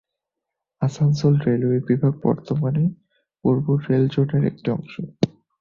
Asansol railway বিভাগ বর্তমানে পূর্ব রেল জোনের একটি অংশ।